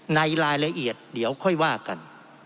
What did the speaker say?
ในรายละเอียดเดี๋ยวค่อยว่ากัน